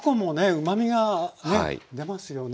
うまみがね出ますよね。